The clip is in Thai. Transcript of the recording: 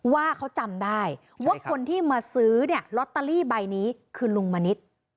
ว่าเขาจำได้ว่าคนที่มาซื้อเนี่ยลอตเตอรี่ใบนี้คือลุงมณิษฐ์